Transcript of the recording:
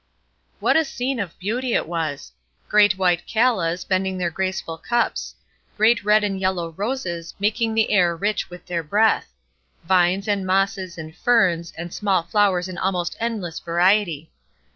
What a scene of beauty it was! Great white callas, bending their graceful cups; great red and yellow roses, making the air rich with their breath; vines and mosses and ferns and small flowers in almost endless variety.